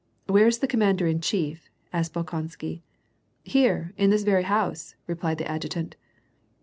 " Wliere is the commander in chief ?" asked Bolkonsky. "Here, in this very house," replied the adjutant.